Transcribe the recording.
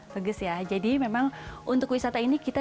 bagus ya jadi memang untuk wisata ini kita